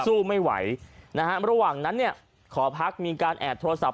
สู้ไม่ไหวนะฮะระหว่างนั้นเนี่ยหอพักมีการแอบโทรศัพ